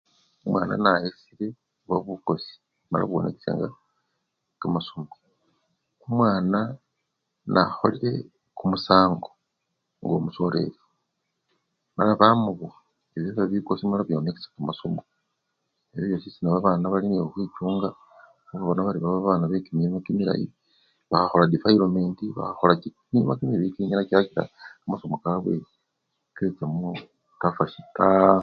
Omwana nayesyile buba bukosi mala bwonakisya kamasomo, omwana nakholile kumusango obo omusoleli mala bamubowa, ebyebyo biba bikosi mala byonakisya kamasomo, ebyobyosichana babana bali nekhwikhwichunga khubona bari baba babana bekimima kimilayi, bakhakhola difayilomenti bakhakhola bi! kimima kimibii kikinyala kyakila kamasomo kabwe kecha mu kakasi! kaa!.